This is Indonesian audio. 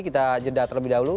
kita jeda terlebih dahulu